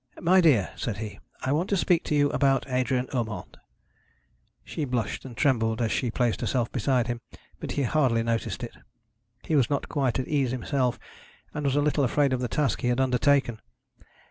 'My dear,' said he, 'I want to speak to you about Adrian Urmand.' She blushed and trembled as she placed herself beside him; but he hardly noticed it. He was not quite at his ease himself, and was a little afraid of the task he had undertaken.